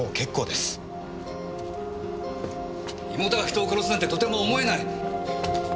妹が人を殺すなんてとても思えない！